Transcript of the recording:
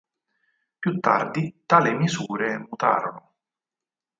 Più tardi tali misure mutarono.